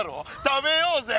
食べようぜ！